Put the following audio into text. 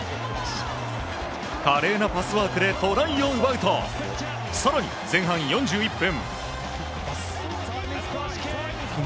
華麗なパスワークでトライを奪うと、さらに前半４１分。